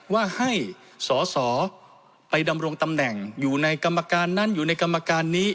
ว่าให้สอสอไปดำรงตำแหน่งอยู่ในกรรมการนั้นอยู่ในกรรมการนี้